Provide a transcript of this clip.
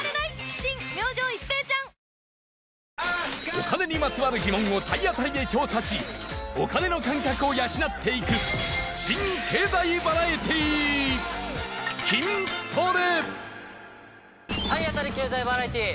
お金にまつわる疑問を体当たりで調査しお金の感覚を養っていく新経済バラエティー体当たり経済バラエティー！